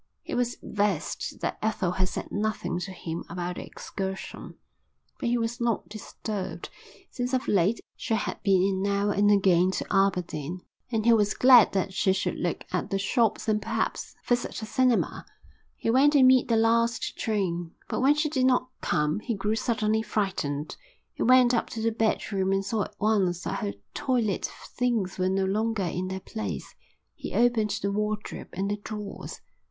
He was vexed that Ethel had said nothing to him about the excursion, but he was not disturbed, since of late she had been in now and again to Aberdeen, and he was glad that she should look at the shops and perhaps visit a cinema. He went to meet the last train, but when she did not come he grew suddenly frightened. He went up to the bedroom and saw at once that her toilet things were no longer in their place. He opened the wardrobe and the drawers.